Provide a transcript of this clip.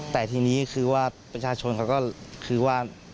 แต่ทีนี้คือว่าประชาชนเขาก็คือว่า